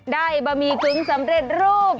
บะหมี่กึ้งสำเร็จรูป